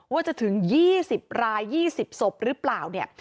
ว่าจะถึง๒๐ราย๒๐ศพหรือเปล่าเนี่ย